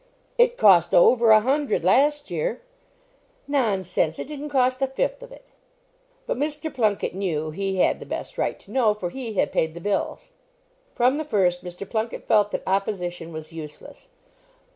"It cost over a hundred last year." "Nonsense! it didn't cost a fifth of it." But Mr. Plunket knew he had the best right to know, for he had paid the bills. From the first, Mr. Plunket felt that opposition was useless.